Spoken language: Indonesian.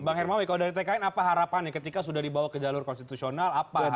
bang hermawi kalau dari tkn apa harapannya ketika sudah dibawa ke jalur konstitusional apa